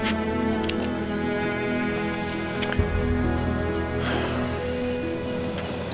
kofil siap siap tangan